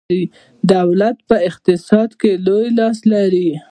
دولت په اقتصاد کې لوی لاس لري.